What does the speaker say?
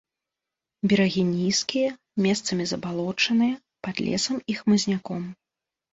Берагі нізкія, месцамі забалочаныя, пад лесам і хмызняком.